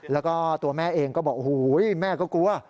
แล้วก็ตัวแม่เองก็บอกโอ้โหแม่ก็กลัว